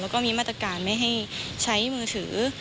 แล้วก็มีมาตรการไม่ให้ใช้มือถือ